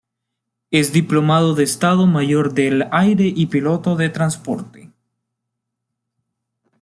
Es Diplomado de Estado Mayor del Aire y piloto de transporte.